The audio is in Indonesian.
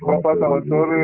bapak tahun sore